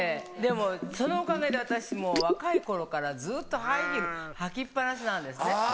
でもそのおかげで私もう若い頃からずっとハイヒール履きっ放しなんですね。